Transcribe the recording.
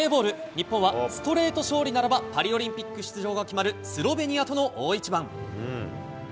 日本はストレート勝利ならば、パリオリンピック出場が決まるスロベニアとの大一番。